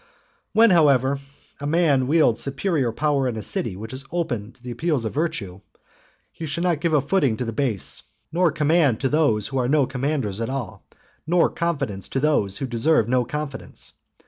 III. When, however, a man wields superior power in a city which is open to the appeals of virtue, he should not give a footing to the base, nor command to those who are no commanders at all, nor confidence to those who deserve no confidence.